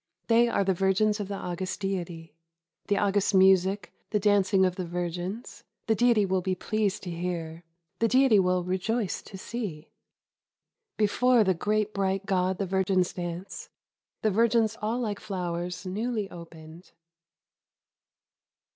They are the virgins of the august Deity. " The august music, the dancing of the virgins, — the Deity will be pleased to hear, the Deity will rejoice to see. ^'Before the great bright God the virgins dance, — the virgins all like flowers newly opened."